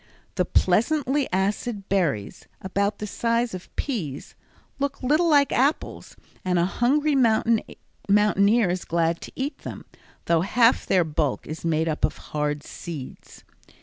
The pleasantly acid berries, about the size of peas, look like little apples, and a hungry mountaineer is glad to eat them, though half their bulk is made up of hard seeds.